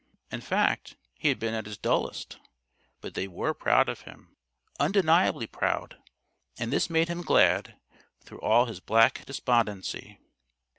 In fact, he had been at his dullest. But they were proud of him undeniably proud, and this made him glad, through all his black despondency.